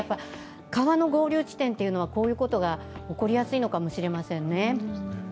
川の合流地点というのはこういうことが起こりやすいのかもしれませんね。